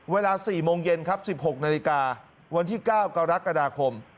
เวลา๔โมงเย็นครับ๑๖นาฬิกาวันที่๙กรกฎาคม